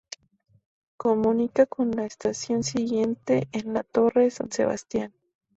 Comunica con la estación siguiente en la Torre San Sebastián.